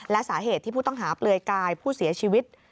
และสาเหตุที่ผู้ต้องหาเปลือยกายผู้เสียชีวิต